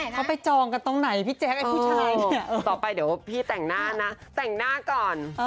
ต่อไปเดี๋ยวพี่แต่งหน้าน่ะแต่งหน้าก่อน